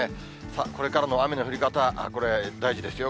さあ、これからの雨の降り方、これ、大事ですよ。